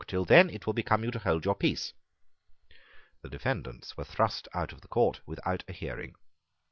Till then it will become you to hold your peace." The defendants were thrust out of the court without a hearing.